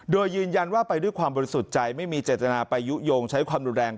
โดยยืนยันว่าไปด้วยความบริสุทธิ์ใจไม่มีเจตนาไปยุโยงใช้ความรุนแรง